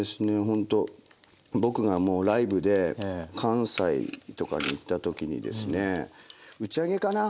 ほんと僕がもうライブで関西とかに行った時にですね打ち上げかな？